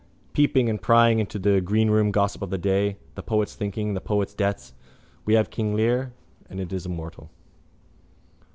Peeping and prying into greenroom gossip of the day, the poet's drinking, the poet's debts. We have King Lear: and it is immortal.